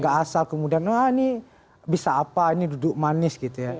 gak asal kemudian wah ini bisa apa ini duduk manis gitu ya